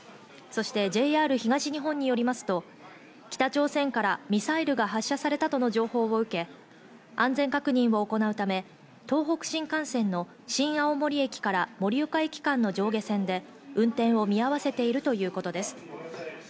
ＪＲ東日本によりますと、北朝鮮からミサイルが発射されたとの情報を受け、安全確認を行うため、東北新幹線の新青森駅から盛岡駅間の上下線で運転を見合わせているということです。